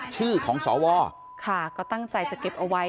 ชื่อของสวค่ะก็ตั้งใจจะเก็บเอาไว้